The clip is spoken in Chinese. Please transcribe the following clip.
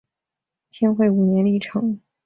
天会五年历成。